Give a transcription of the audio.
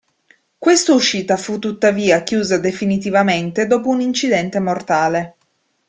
Questa uscita fu tuttavia chiusa definitivamente dopo un incidente mortale.